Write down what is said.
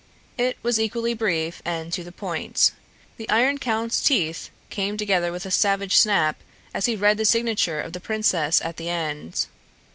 It was equally brief and to the point. The Iron Count's teeth came together with a savage snap as he read the signature of the princess at the end.